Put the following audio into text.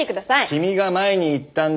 君が前に言ったんだ。